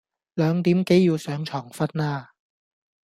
兩點幾要上床瞓啦